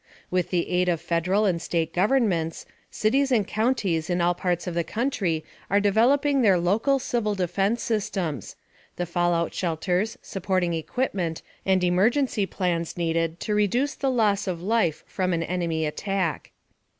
With the aid of Federal and State governments, cities and counties in all parts of the country are developing their local civil defense systems the fallout shelters, supporting equipment and emergency plans needed to reduce the loss of life from an enemy attack.